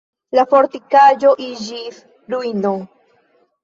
La fortikaĵo iĝis ruino.